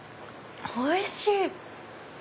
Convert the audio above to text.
おいしい！